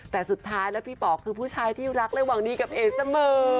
แต่สุดท้ายแล้วพี่ป๋อคือผู้ชายที่รักและหวังดีกับเอ๋เสมอ